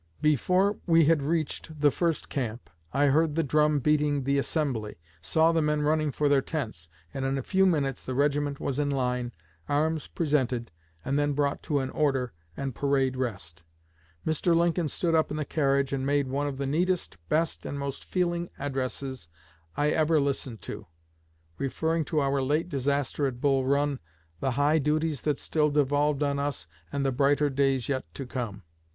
Before we had reached the first camp, I heard the drum beating the 'assembly,' saw the men running for their tents, and in a few minutes the regiment was in line, arms presented, and then brought to an 'order' and 'parade rest.' Mr. Lincoln stood up in the carriage, and made one of the neatest, best, and most feeling addresses I ever listened to, referring to our late disaster at Bull Run, the high duties that still devolved on us, and the brighter days yet to come.